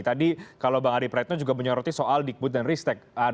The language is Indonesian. tadi kalau bang adip raido juga menyoroti soal dikbud dan ristek